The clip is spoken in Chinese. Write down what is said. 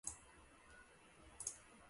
行，哥！